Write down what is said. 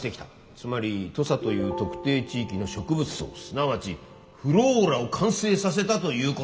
つまり土佐という特定地域の植物相すなわちｆｌｏｒａを完成させたということだよ。